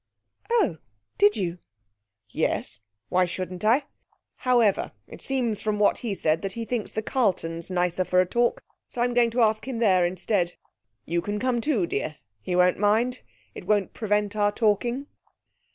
'Oh, did you?' 'Yes. Why shouldn't I? However, it seems from what he said that he thinks the Carlton's nicer for a talk, so I'm going to ask him there instead. You can come too, dear. He won't mind; it won't prevent our talking.'